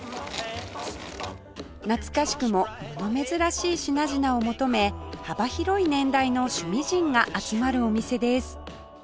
懐かしくも物珍しい品々を求め幅広い年代の趣味人が集まるお店です